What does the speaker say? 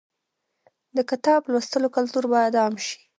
د کتاب لوستلو کلتور باید عام شي.